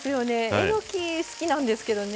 えのき好きなんですけどね。